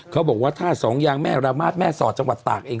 เขาบอกว่าถ้าสองยางแม่ระมาทแม่สอดจังหวัดตากเอง